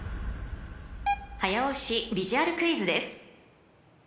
［早押しビジュアルクイズです］